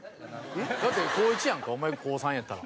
だって高１やんかお前高３やったら。